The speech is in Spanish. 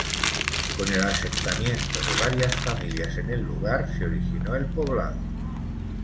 Con el asentamiento de varias familias en el lugar, se originó el poblado.